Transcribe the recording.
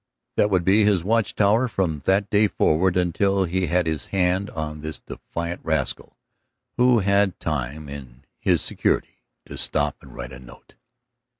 That would be his watchtower from that day forward until he had his hand on this defiant rascal who had time, in his security, to stop and write a note.